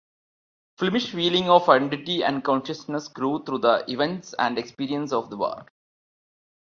Flemish feeling of identity and consciousness grew through the events and experiences of war.